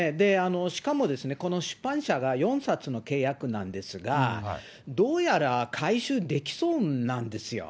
しかも、この出版社が、４冊の契約なんですが、どうやら回収できそうなんですよ。